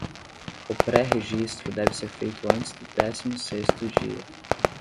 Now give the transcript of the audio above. O pré-registro deve ser feito antes do décimo sexto dia.